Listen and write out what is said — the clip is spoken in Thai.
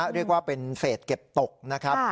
เรียกว่าเป็นเศษเก็บตกนะครับ